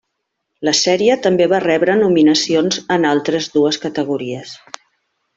La sèrie també va rebre nominacions en altres dues categories.